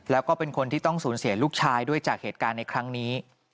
แล้วก็เป็นคนที่ต้องสูญเสียลูกชายด้วยจากเหตุการณ์ในครั้งนี้